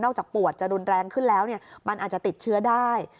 จากปวดจะรุนแรงขึ้นแล้วมันอาจจะติดเชื้อได้